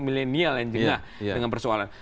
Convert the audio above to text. milenial dengan persoalan